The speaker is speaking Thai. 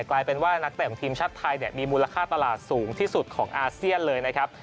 กลายเป็นว่านักเตะของทีมชาติไทยมีมูลค่าตลาดสูงที่สุดของอาเซียนเลยนะครับ